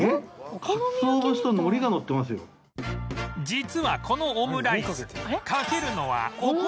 実はこのオムライスかけるのはうわ！